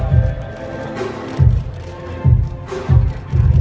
สโลแมคริปราบาล